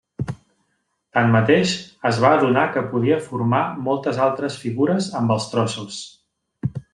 Tanmateix, es va adonar que podia formar moltes altres figures amb els trossos.